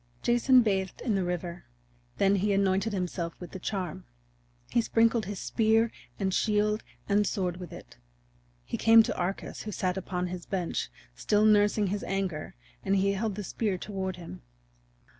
Jason bathed in the river; then he anointed himself with the charm; he sprinkled his spear and shield and sword with it. He came to Arcas who sat upon his bench, still nursing his anger, and he held the spear toward him.